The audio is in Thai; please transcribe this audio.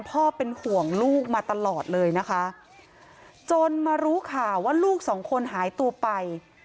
พ่อเป็นห่วงลูกมาตลอดเลยนะคะจนมารู้ข่าวว่าลูกสองคนหายตัวไป